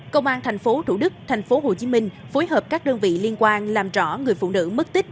công an tp thủ đức tp hcm phối hợp các đơn vị liên quan làm rõ người phụ nữ mất tích